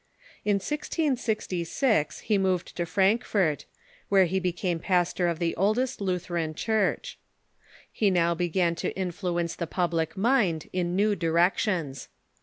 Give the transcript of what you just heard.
In 1666 he removed to Frankfort, where he became pastor of the oldest Lutheran Church. He now began to influence the public mind in new directions.